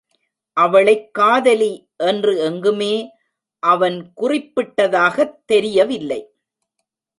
அவளைக் காதலி என்று எங்குமே அவன் குறிப்பிட்டதாகத் தெரிய வில்லை.